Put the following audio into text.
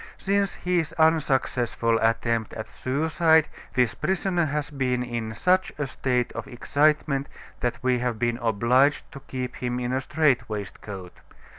Since his unsuccessful attempt at suicide, this prisoner has been in such a state of excitement that we have been obliged to keep him in a strait waistcoat.